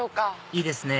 いいですね